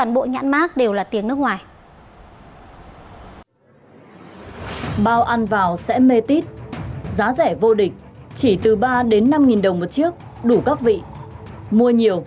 mua nhiều có bán theo cân chỉ từ tám mươi năm nghìn đồng một cân